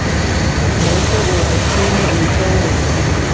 Nuko uwo mutini uhita wuma